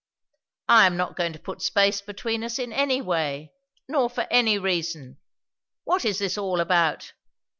"I am not going to put space between us in any way, nor for any reason. What is this all about?"